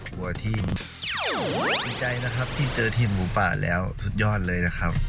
กลัวที่ดีใจนะครับที่เจอทีมหมูป่าแล้วสุดยอดเลยนะครับ